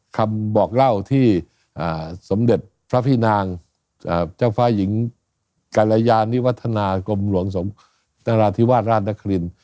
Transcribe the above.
คำบอกเล่าที่สมเด็จพระพี่นางเจ้าฟ้าหญิงกรยานิวัฒนากรมหลวงนราธิวาสราชนคริน